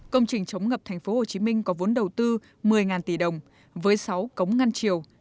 công trình chống ngập tp hcm có vốn đầu tư một mươi tỷ đồng với sáu cống ngăn triều